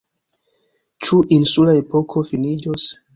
Ĉu insula epoko finiĝos?